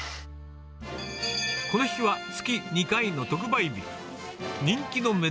この日は月２回の特売日。